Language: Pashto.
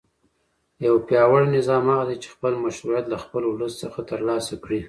یو پیاوړی نظام هغه دی چې خپل مشروعیت له خپل ولس څخه ترلاسه کړي.